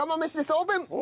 オープン！